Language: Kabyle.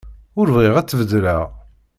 Ur bɣiɣ ad tbeddleḍ.